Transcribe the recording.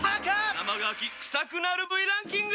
生乾き臭くなる部位ランキング！！